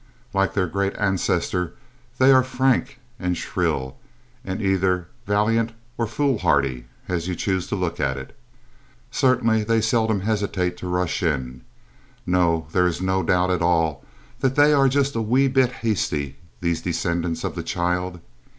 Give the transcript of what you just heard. Like their great ancestor they are frank and shrill, and either valiant or foolhardy as you choose to look at it. Certainly they seldom hesitate to rush in. No, there is no doubt at all that they are just a wee bit hasty, these descendants of the child.